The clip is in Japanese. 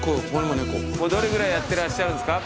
もうどれぐらいやってらっしゃるんですか？